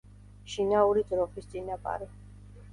შინაური ძროხის წინაპარი.